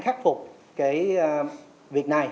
khắc phục cái việc này